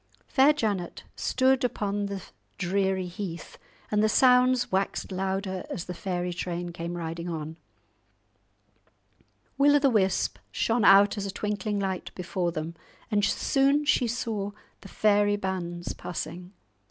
Fair Janet stood upon the dreary heath, and the sounds waxed louder as the fairy train came riding on. Will o' the Wisp shone out as a twinkling light before them, and soon she saw the fairy bands passing.